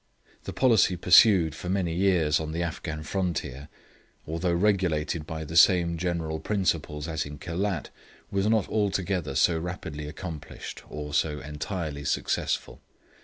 The policy pursued for many years on the Afghan frontier, although regulated by the same general principles as in Khelat, was not altogether so rapidly accomplished, or so entirely successful.